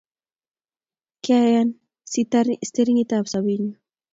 Kiana sitaring'itab sobenyu